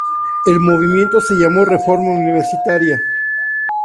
El movimiento se llamó Reforma Universitaria.